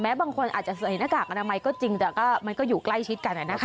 บางคนอาจจะใส่หน้ากากอนามัยก็จริงแต่มันก็อยู่ใกล้ชิดกัน